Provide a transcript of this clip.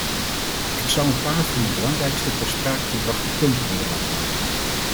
Ik zou een paar van de belangrijkste ter sprake gebrachte punten willen behandelen.